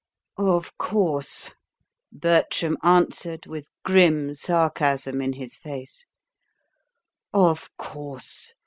"Of course!" Bertram answered, with grim sarcasm in his face, "of course!